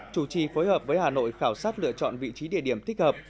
chủ trì phối hợp với hà nội khảo sát lựa chọn vị trí địa điểm thích hợp